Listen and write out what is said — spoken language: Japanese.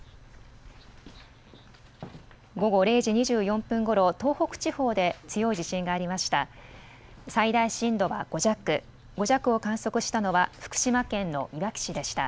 午後０時２４分ごろ、東北地方で強い地震がありました。